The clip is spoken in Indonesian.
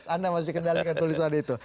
anda masih kendalikan tulisan itu